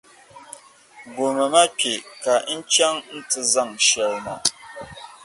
Guhimi ma kpɛ ka n chaŋ nti zaŋ shɛli na.